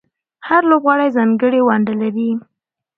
هر لوبغاړی ځانګړې ونډه لري.